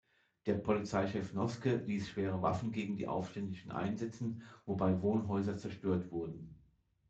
Der Polizeichef Noske ließ schwere Waffen gegen die Aufständischen einsetzen, wobei Wohnhäuser zerstört wurden.